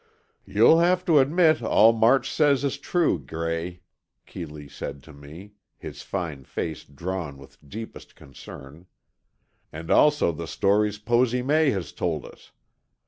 "You'll have to admit all March says is true, Gray," Keeley said to me, his fine face drawn with deepest concern. "And also the stories Posy May has told us.